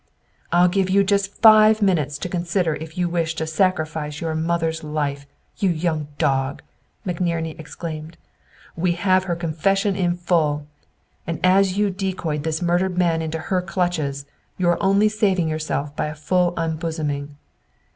"I'll give you just five minutes to consider if you wish to sacrifice your mother's life, you young dog," McNerney exclaimed. "We have her confession in full, and as you decoyed this murdered man into her clutches, you are only saving yourself by a full unbosoming."